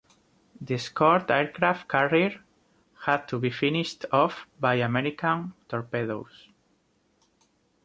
The escort aircraft carrier had to be finished off by American torpedoes.